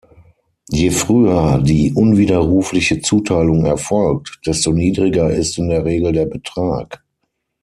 Je früher die unwiderrufliche Zuteilung erfolgt, desto niedriger ist in der Regel der Betrag.